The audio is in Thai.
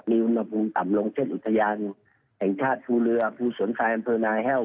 มีอุณหภูมิต่ำลงเช่นอุทยานแห่งชาติภูเรือภูสนทรายอำเภอนายแห้ว